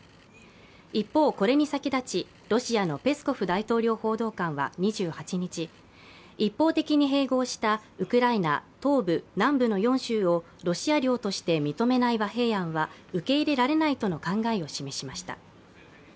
一方、これに先立ちロシアのペスコフ大統領報道官は２８日、一方的に併合したウクライナ東部・南部の４州をロシア領として認めない和平案は受け入れられないとの考えを示しました。